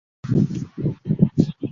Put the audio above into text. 并在某些情况下用于保护农作物。